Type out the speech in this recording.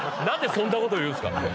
何でそんなこと言うんすか。